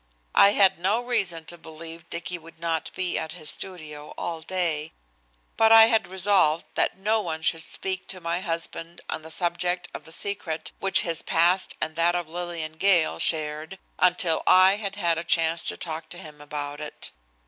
I had no reason to believe Dicky would not be at his studio all day, but I had resolved that no one should speak to my husband on the subject of the secret which his past and that of Lillian Gale shared until I had had a chance to talk to him about it.